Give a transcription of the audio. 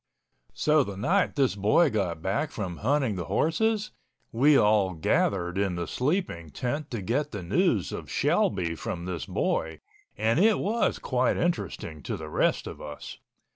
So the night this boy got back from hunting the horses, we all gathered in the sleeping tent to get the news of Shelby from this boy, and it was quite interesting to the rest of us.